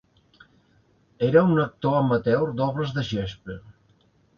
Era un actor amateur d'obres de Shakespeare.